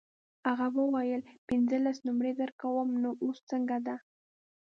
هغه وویل پنځلس نمرې درکوم نو اوس څنګه ده.